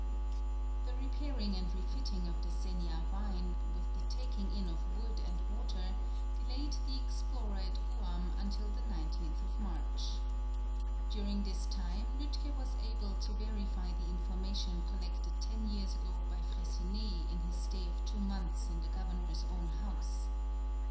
The repairing and refitting of the Seniavine, with the taking in of wood and water, delayed the explorer at Guam until the 19th March. During this time Lütke was able to verify the information collected ten years ago by Freycinet in his stay of two months in the Governor's own house.